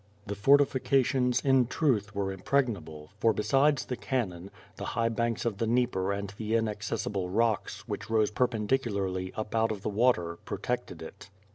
The fortifications, in truth, was impregnable, for besides the cannon, the high banks of the Dnieper and the inaccess ible rocks, which rose perpendicularly up out of the water, protected it.